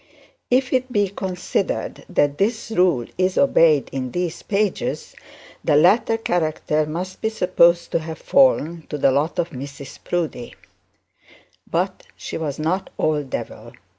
If it be considered that this rule is obeyed in these pages, the latter character must be supposed to have fallen to the lot of Mrs Proudie. But she was not all devil.